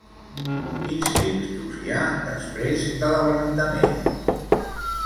Quins textos hi ha després de L'Abrandament?